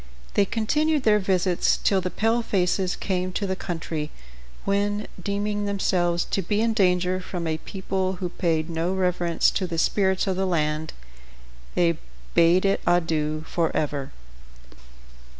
They continued their visits till the palefaces came to the country, when, deeming themselves to be in danger from a people who paid no reverence to the spirits of the land, they bade it adieu forever.